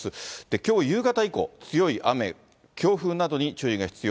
きょう夕方以降、強い雨、強風などに注意が必要。